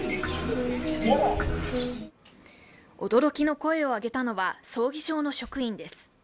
驚きの声を上げたのは葬儀場の職員です。